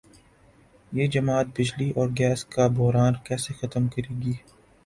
یہ جماعت بجلی اور گیس کا بحران کیسے ختم کرے گی؟